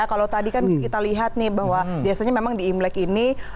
kalau tadi kan kita lihat nih bahwa biasanya memang di imlek ini